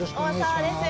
大沢です。